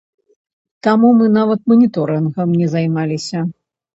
Таму мы нават маніторынгам не займаліся.